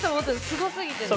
すごすぎてね。